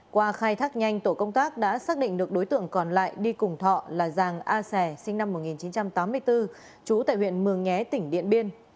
qua khai thác nhanh tổ công tác đã xác định được đối tượng còn lại đi cùng thọ là giàng a xè sinh năm một nghìn chín trăm tám mươi bốn trú tại huyện mường nhé tỉnh điện biên